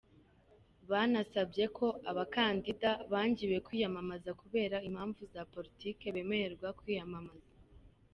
Banasabye ko “abakandida bangiwe kwiyamamaza kubera impamvu za politiki” bemererwa kwiyamamaza.